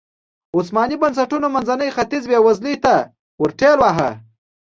عثماني بنسټونو منځنی ختیځ بېوزلۍ ته ورټېل واهه.